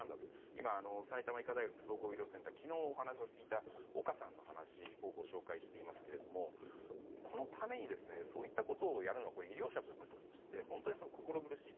今、埼玉医科大学総合医療センター昨日、お話を聞いた岡さんの話をご紹介していますがこのためにそういったことをやるのは医療者として本当に、心苦しい。